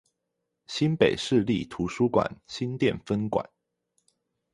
新北市立圖書館新店分館